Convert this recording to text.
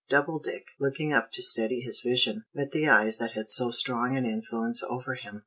Doubledick, looking up to steady his vision, met the eyes that had so strong an influence over him.